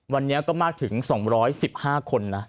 วันนี้ก็มากถึง๒๑๕คนนะ